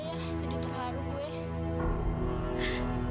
jadi terlalu gue